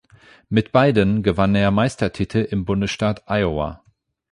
Mit beiden gewann er Meistertitel im Bundesstaat Iowa.